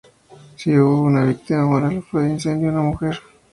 Solo hubo una víctima mortal del incendio, una mujer.